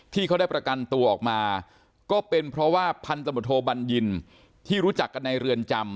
ที่เขาได้ประกันตัวออกมาก็เป็นเพราะว่าพันธบทโทบัญญินที่รู้จักกันในเรือนจำ